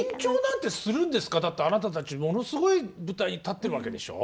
だってあなたたちものすごい舞台に立ってるわけでしょ？